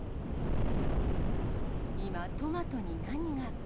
今、トマトに何が。